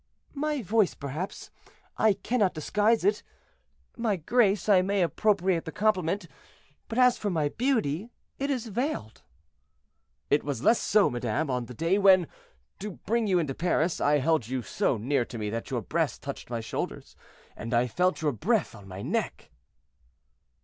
"My voice, perhaps; I cannot disguise it. My grace; I may appropriate the compliment; but as for my beauty, it is veiled." "It was less so, madame, on the day when, to bring you into Paris, I held you so near to me that your breast touched my shoulders, and I felt your breath on my neck."